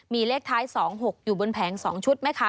มีเลขท้าย๒๖อยู่บนแผง๒ชุดไหมคะ